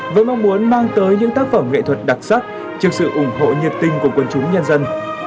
vẫn mong muốn mang tới những tác phẩm nghệ thuật đặc sắc trước sự ủng hộ nhiệt tinh của quần chúng nhân dân